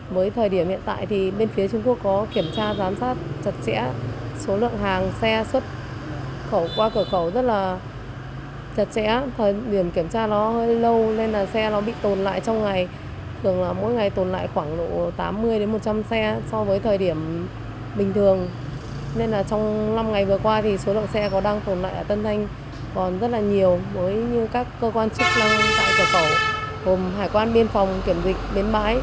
với như các cơ quan chức năng tại cửa khẩu hồn hải quan biên phòng kiểm dịch biến bãi